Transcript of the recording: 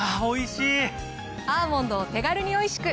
アーモンドを手軽においしく。